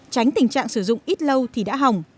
tránh tình trạng sử dụng ít lâu thì đã hỏng